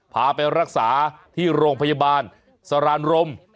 พาไปรักษาที่โรงพยาบาลสรานรม